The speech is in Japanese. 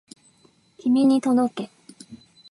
君に届け